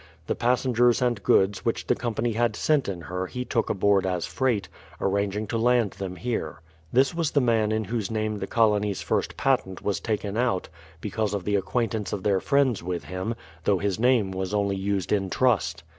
The passengers and goods which the company had sent in her he took aboard as freight, arranging to land them here. This was the man in whose name the colony's first patent was taken out, because of the acquaintance of their friends with him, though his name was only used in trust.